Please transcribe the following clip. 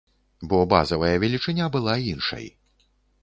Бо базавая велічыня была іншай.